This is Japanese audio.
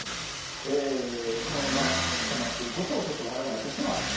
このまま収まっていくことをわれわれとしては。